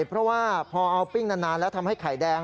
เพราะว่าพอเอาปิ้งนานแล้วทำให้ไข่แดง